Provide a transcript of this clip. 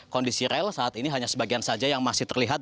kondisi rel saat ini hanya sebagian saja yang masih terlihat